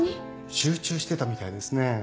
集中してたみたいですね。